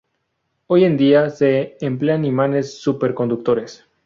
Hoy en día se emplean imanes superconductores.